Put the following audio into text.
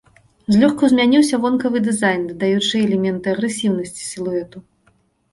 Злёгку змяніўся вонкавы дызайн, дадаючы элементы агрэсіўнасць сілуэту.